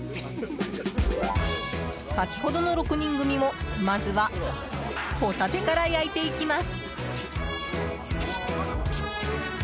先ほどの６人組もまずは、ホタテから焼いていきます。